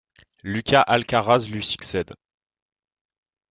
Lucas Alcaraz lui succède.